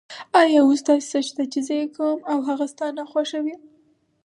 آیا اوس داسې څه شته چې زه یې کوم او هغه ستا ناخوښه وي؟